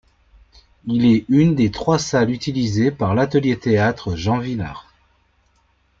Il est une des trois salles utilisées par l'Atelier Théâtre Jean Vilar.